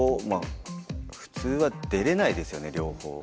普通は出れないですよね両方。